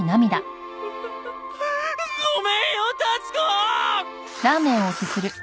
ごめんよ樹子！